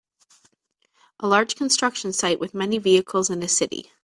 A large construction site with many vehicles in a city.